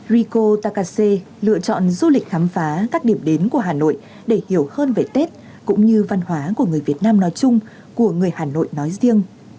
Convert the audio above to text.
rico takashe lựa chọn du lịch khám phá các điểm đến của hà nội để hiểu hơn về tết cũng như văn hóa của người việt nam nói chung của người hà nội nói riêng